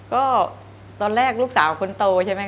ก็ตอนแรกลูกสาวคุณโตใช่มั้ยคะ